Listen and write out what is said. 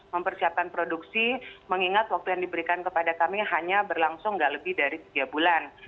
mempersiapkan produksi mengingat waktu yang diberikan kepada kami hanya berlangsung nggak lebih dari tiga bulan